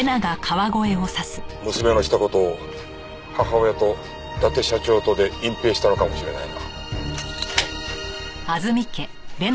娘のした事を母親と伊達社長とで隠蔽したのかもしれないな。